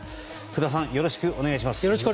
福田さんよろしくお願いします。